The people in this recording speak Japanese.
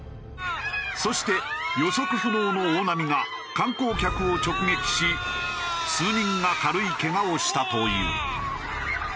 そして予測不能の大波が観光客を直撃し数人が軽いけがをしたという。